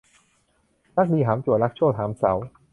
รักดีหามจั่วรักชั่วหามเสา